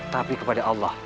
tapi kepada allah